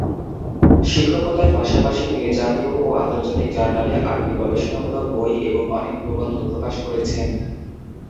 শিক্ষকতার পাশাপাশি তিনি জাতীয় ও আন্তর্জাতিক জার্নালে আটটি গবেষণামূলক বই এবং অনেক প্রবন্ধ প্রকাশ করেছেন।